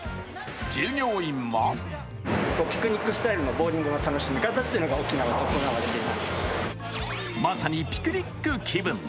従業員はまさにピクニック気分。